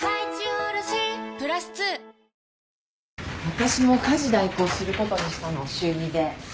私も家事代行することにしたの週２で。